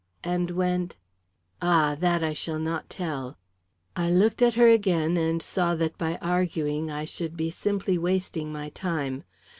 "And went " "Ah, that I shall not tell." I looked at her again and saw that by arguing I should be simply wasting my time.